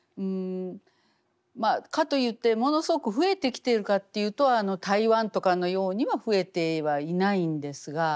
まあかといってものすごく増えてきているかというと台湾とかのようには増えてはいないんですが。